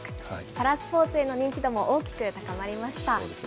パラスポーツへの認知度も大きく高まりました。